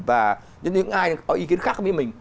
và những ai có ý kiến khác với mình